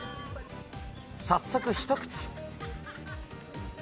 早速一口。